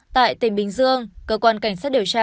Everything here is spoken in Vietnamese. tại tỉnh bình dương cơ quan cảnh sát điều tra